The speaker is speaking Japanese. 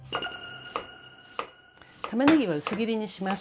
たまねぎは薄切りにします。